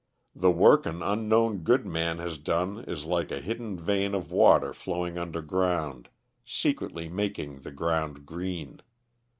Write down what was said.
The work an unknown good man has done is like a hidden vein of water flowing underground, secretly making the ground green.